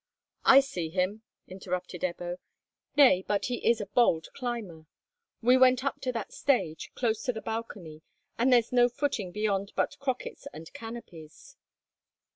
"I see him," interrupted Ebbo. "Nay, but he is a bold climber! We went up to that stage, close to the balcony, but there's no footing beyond but crockets and canopies."